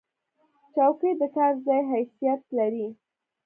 چوکۍ د کار ځای حیثیت لري.